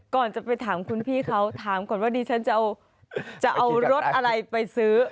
ก่อนจะไปถามคุณพี่เขาถามก่อนว่าดิฉันจะเอารถอะไรไปซื้อ